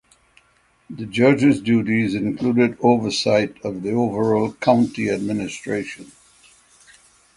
The judge’s duties included oversight of overall county administration.